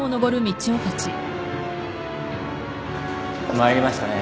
参りましたね。